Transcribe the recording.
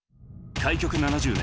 開局７０年